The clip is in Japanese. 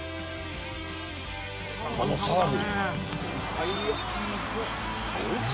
このサーブ。